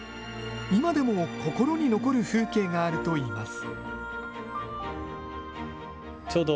今でも心に残る風景があるといいます。